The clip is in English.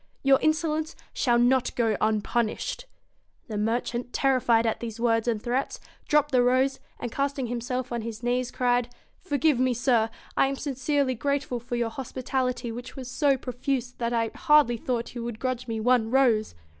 Your insolence shall not ND THE go unpunished.' BEAST The merchant, terrified at these words and threats, dropped the rose, and casting himself on his knees, cried: 'Forgive me, sir; I am sincerely grateful for your hospitality, which was so profuse that I hardly thought you would grudge me one rose.'